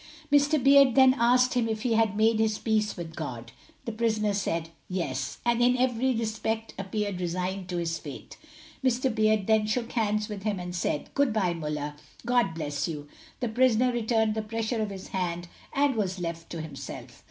Mr. Beard then asked him if he had made his peace with God. The prisoner said, "Yes;" and in every respect appeared resigned to his fate. Mr. Beard then shook hands with him, and said, "Good bye Muller; God bless you;" The prisoner returned the pressure of his hand, and was left to himself.